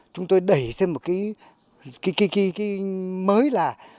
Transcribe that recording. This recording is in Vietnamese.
chúng tôi đẩy xem một cái mới là